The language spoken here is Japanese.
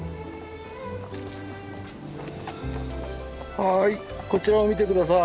はいこちらを見て下さい。